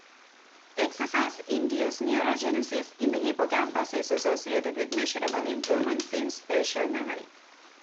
Exercise-induced neurogenesis in the hippocampus is associated with measurable improvements in spatial memory.